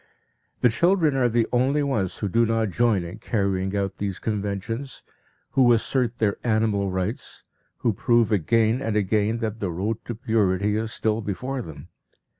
The children are the only ones who do not join in carrying out these conventions, who assert their animal rights, who prove again and again that the road to purity is still before them.